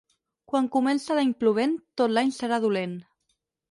Quan comença l'any plovent, tot l'any serà dolent.